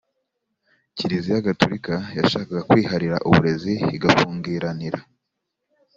Kiriziya gatorika yashakaga kwiharira uburezi igafungiranira